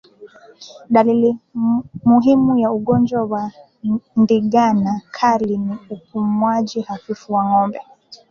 Dalili muhimu ya ugonjwa wa ndigana kali ni upumuaji hafifu wa ngombe